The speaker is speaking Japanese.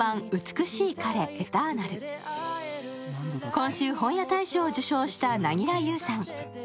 今週本屋大賞を受賞した凪良ゆうさん。